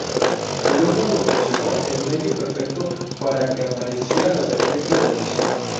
El humo proporcionó el medio perfecto para que apareciera la Serpiente de la Visión.